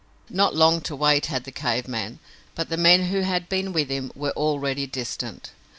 Not long to wait had the cave man, but the men who had been with him were already distant.